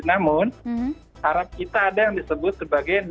namun harap kita ada yang disebut sebagai